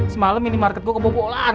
semalam minimarket gue kebobolan